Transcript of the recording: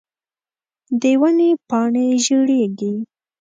د ونو پاڼی زیړیږې